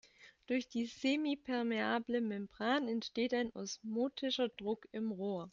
Durch die semipermeable Membran entsteht ein osmotischer Druck im Rohr.